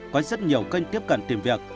có rất nhiều kênh tiếp cận tìm việc